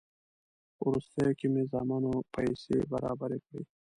په وروستیو کې مې زامنو پیسې برابرې کړې.